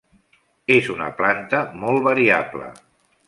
És una planta molt variable.